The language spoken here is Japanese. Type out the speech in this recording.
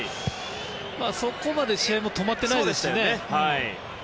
そこまで試合も止まっていませんしね。